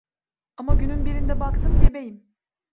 Ama günün birinde baktım gebeyim.